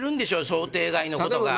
想定外のことが。